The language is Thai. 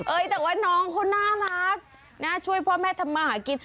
แต่ว่าน้องเขาน่ารักนะช่วยพ่อแม่ทำมาหากิน